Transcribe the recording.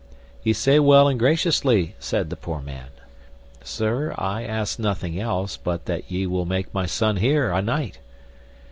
Ye say well and graciously, said the poor man; Sir, I ask nothing else but that ye will make my son here a knight.